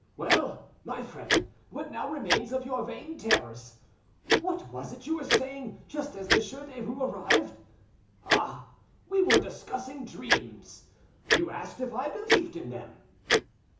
Well, my friend, what now remains of your vain terrors? What was it you were saying just as Monsieur Derues arrived? ... Ah! we were discussing dreams, you asked if I believed in them."